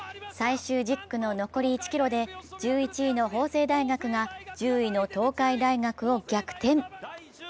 最終１０区の残り１ｋｍで１１位の法政大学が１０位の東海大学を逆転。